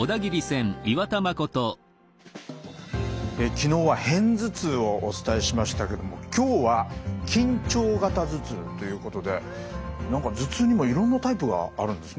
昨日は片頭痛をお伝えしましたけども今日は緊張型頭痛ということで何か頭痛にもいろんなタイプがあるんですね。